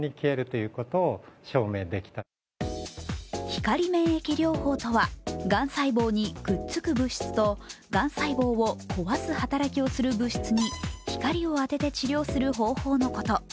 光免疫療法とは、がん細胞にくっつく物質とがん細胞を壊す働きをする物質に光を当てて治療する方法のこと。